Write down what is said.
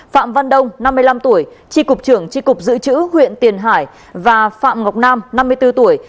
phạm văn đông năm mươi năm tuổi tri cục trưởng tri cục dự trữ huyện tiền hải và phạm ngọc nam năm mươi bốn tuổi